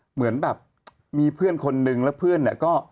เหมือนแบบมีเพื่อนคนนึงแล้วเพื่อนเนี่ยก็